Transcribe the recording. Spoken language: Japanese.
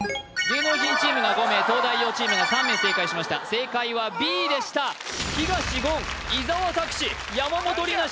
芸能人チームが５名東大王チームが３名正解しました正解はＢでした東言伊沢拓司山本里菜